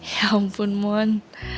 ya ampun mon